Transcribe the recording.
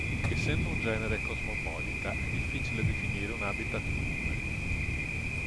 Essendo una genere cosmopolita è difficile definire un habitat comune.